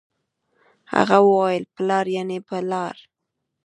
هغه وويل پلار يعنې په لار